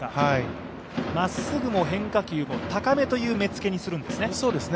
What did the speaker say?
まっぐも変化球も高めという目つけにするんですね。